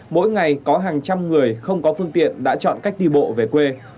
mỗi ngày có hàng trăm người không có phương tiện đã chọn cách đi bộ về quê